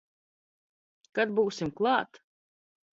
Kad būsim klāt?